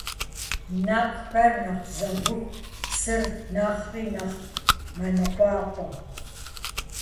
И нэпкъхэр нэхъ зэвыху, псыр нэхъри нэхъ мэныкъуакъуэ.